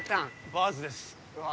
バーズですうわ